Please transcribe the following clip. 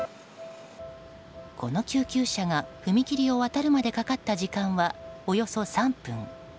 この救急車が踏切を渡るまでかかった時間はおよそ３分。